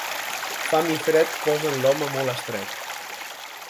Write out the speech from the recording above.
Fam i fred posen l'home molt estret.